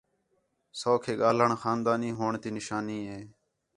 سوکھے ڳاھلݨ خاندانی ہوݨ تی نشانی ہے